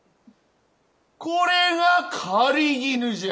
これが狩衣じゃ。